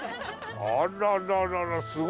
あらららすごい。